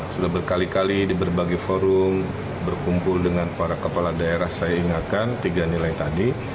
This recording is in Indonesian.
sudah berkali kali di berbagai forum berkumpul dengan para kepala daerah saya ingatkan tiga nilai tadi